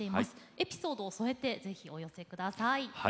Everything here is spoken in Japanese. エピソードを添えて是非お寄せ下さい。